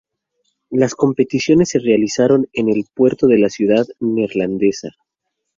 Las competiciones se realizaron en el puerto de la ciudad neerlandesa.